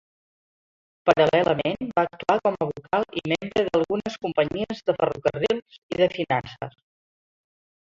Paral·lelament va actuar com a vocal i membre d'algunes companyies de ferrocarrils i de finances.